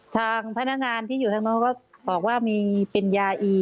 ทางพนักงานที่อยู่ทางนู้นก็บอกว่ามีเป็นยาอี